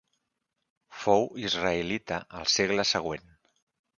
Fou israelita al segle següent.